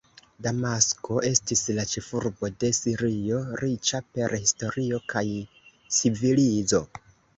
Damasko estis la ĉefurbo de Sirio, riĉa per historio kaj civilizo.